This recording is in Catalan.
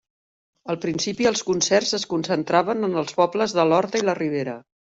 Al principi els concerts es concentraven en els pobles de l'Horta i la Ribera.